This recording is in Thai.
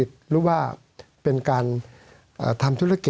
สวัสดีครับทุกคน